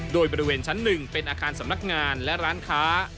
โดยบริเวณชั้น๑เป็นอาคารสำนักงานและร้านค้า